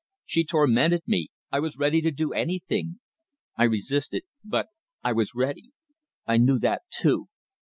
She tormented me. I was ready to do anything. I resisted but I was ready. I knew that too.